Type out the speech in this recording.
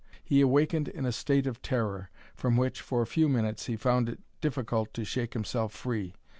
He awakened in a state of terror, from which, for a few minutes, he found it difficult to shake himself free.